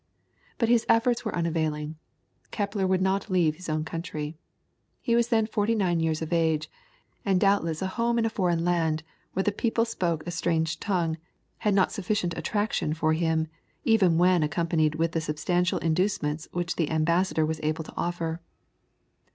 But his efforts were unavailing; Kepler would not leave his own country. He was then forty nine years of age, and doubtless a home in a foreign land, where people spoke a strange tongue, had not sufficient attraction for him, even when accompanied with the substantial inducements which the ambassador was able to offer.